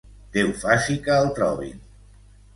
Déu faci que el trobin!